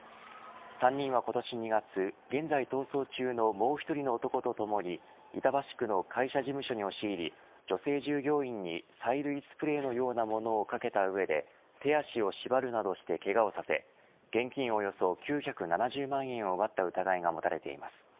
３人は今年２月、現在逃走中のもう１人の男とともに板橋区の会社事務所に押し入り女性従業員に催涙スプレーのようなものかけた上で手足を縛るなどしてけがをさせ現金およそ９７０万円を奪った疑いが持たれています。